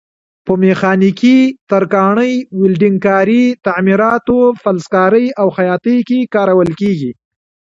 په میخانیکي، ترکاڼۍ، ویلډنګ کارۍ، تعمیراتو، فلزکارۍ او خیاطۍ کې کارول کېږي.